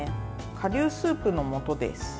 顆粒スープの素です。